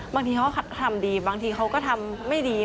บางทีเขาก็ทำดีบางทีเขาก็ทำไม่ดี